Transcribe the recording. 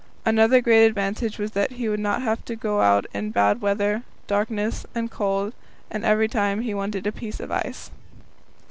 Another great advantage was that he would not have to go out in bad weather, darkness, and cold, every time he wanted a piece of ice.